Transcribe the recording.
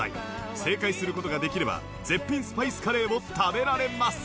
正解する事ができれば絶品スパイスカレーを食べられます